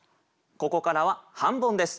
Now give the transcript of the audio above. ここからは半ボンです。